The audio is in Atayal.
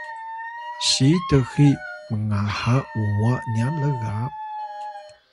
siy txiy mngaha uwa nya lga